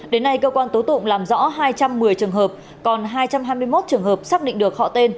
đến nay cơ quan tố tụng làm rõ hai trăm một mươi trường hợp còn hai trăm hai mươi một trường hợp xác định được họ tên